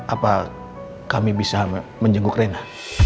apa kami bisa menjenguk rena